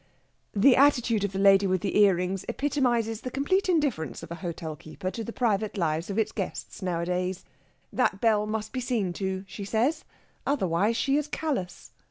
The attitude of the lady with the earrings epitomizes the complete indifference of a hotel keeper to the private lives of its guests nowadays. That bell must be seen to, she says. Otherwise she is callous.